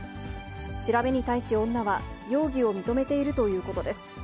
調べに対し女は、容疑を認めているということです。